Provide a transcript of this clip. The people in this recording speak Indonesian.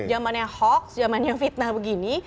jamannya hoax jamannya fitnah begini